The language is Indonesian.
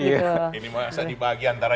ini masih dibagi antara